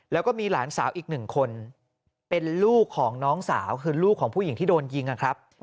แล้วก็มีหลานสาวอีกหนึ่งคนเป็นลูกของน้องสาวคือลูกของผู้หญิงที่โดนยิงนะครับ